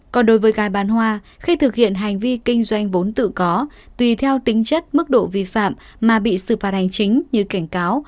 còn đối với gái bán hoa khi thực hiện hành vi kinh doanh vốn tự có tùy theo tính chất mức độ vi phạm mà bị xử phạt hành chính như cảnh cáo